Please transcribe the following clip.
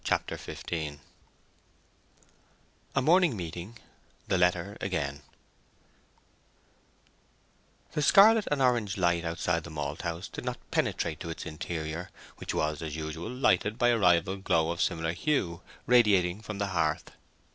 CHAPTER XV A MORNING MEETING—THE LETTER AGAIN The scarlet and orange light outside the malthouse did not penetrate to its interior, which was, as usual, lighted by a rival glow of similar hue, radiating from the hearth.